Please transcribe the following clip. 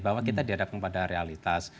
bahwa kita dihadapkan pada realitas